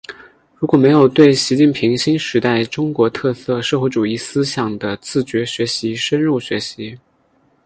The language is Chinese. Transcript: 如果没有对习近平新时代中国特色社会主义思想的自觉学习深入学习